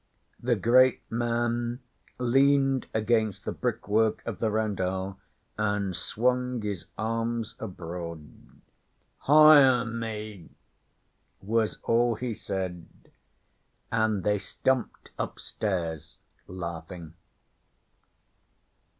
The great man leaned against the brickwork of the roundel, and swung his arms abroad. 'Hire me!' was all he said, and they stumped upstairs laughing.